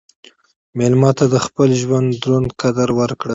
مېلمه ته د خپل ژوند دروند قدر ورکړه.